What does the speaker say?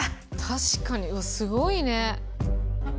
確かにすごいね。